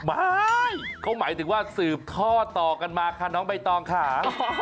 ไม่เขาหมายถึงว่าสืบท่อต่อกันมาค่ะน้องใบตองค่ะ